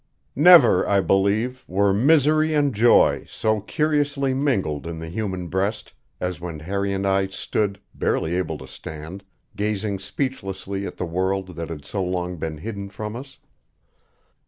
Never, I believe, were misery and joy so curiously mingled in the human breast as when Harry and I stood barely able to stand gazing speechlessly at the world that had so long been hidden from us.